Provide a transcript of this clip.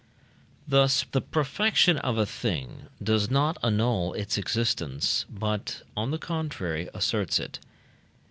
Thus, the perfection of a thing does not annul its existence, but, on the contrary, asserts it.